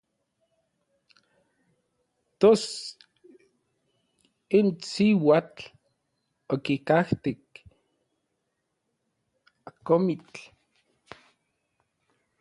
Tos n siuatl okikajtej n akomitl.